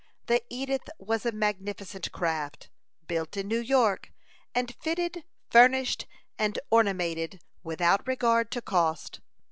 The Edith was a magnificent craft, built in New York, and fitted, furnished, and ornamented without regard to cost.